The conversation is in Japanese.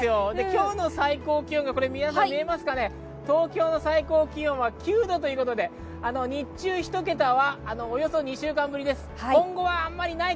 今日の最高気温が見えますかね、東京最高気温は９度ということで、日中１桁はおよそ２週間ぶりです。